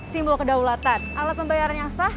simbol kedaulatan alat pembayaran yang sah